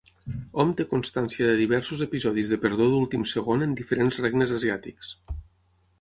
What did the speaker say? Hom té constància de diversos episodis de perdó d'últim segon en diferents regnes asiàtics.